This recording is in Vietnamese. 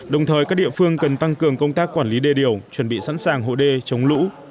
đồng thời các địa phương cần tăng cường công tác quản lý đê điều chuẩn bị sẵn sàng hộ đê chống lũ